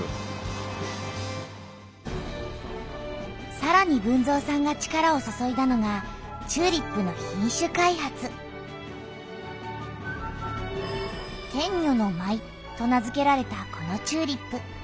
さらに豊造さんが力を注いだのがチューリップの「天女の舞」と名づけられたこのチューリップ。